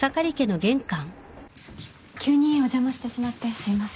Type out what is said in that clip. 急にお邪魔してしまってすいません。